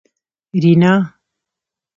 رینا